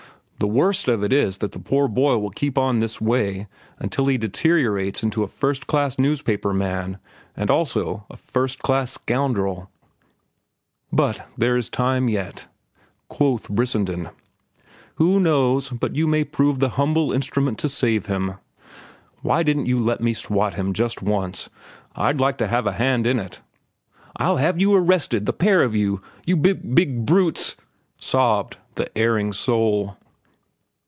The worst of it is that the poor boy will keep on this way until he deteriorates into a first class newspaper man and also a first class scoundrel." "But there is yet time," quoth Brissenden. "Who knows but what you may prove the humble instrument to save him. Why didn't you let me swat him just once? I'd like to have had a hand in it." "I'll have you arrested, the pair of you, you b b big brutes," sobbed the erring soul.